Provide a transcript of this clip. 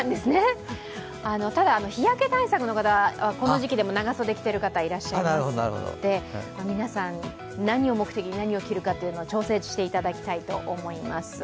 ただ、日焼け対策の方はこの時期でも長袖を着ていらっしゃる方、いらっしゃいますので皆さん、何を目的に何を着るのかは調整していただきたいと思います。